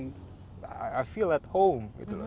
saya merasa di rumah